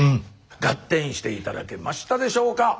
ガッテンして頂けましたでしょうか？